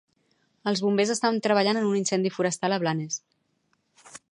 Els Bombers estan treballant en un incendi forestal a Blanes.